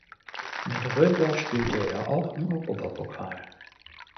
Mit Rhöndorf spielte er auch im Europapokal.